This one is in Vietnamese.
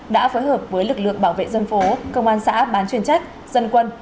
đã phối hợp với lực lượng bảo vệ dân phố công an xã bán chuyên trách dân quân